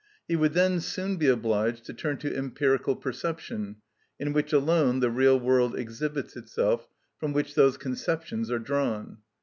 He would then soon be obliged to turn to empirical perception, in which alone the real world exhibits itself, from which those conceptions are drawn.